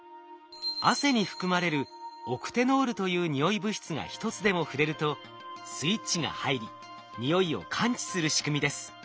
汗に含まれるオクテノールというにおい物質が一つでも触れるとスイッチが入りにおいを感知する仕組みです。